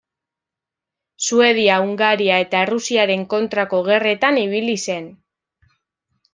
Suedia, Hungaria eta Errusiaren kontrako gerretan ibili zen.